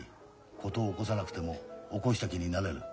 コトを起こさなくても起こした気になれる。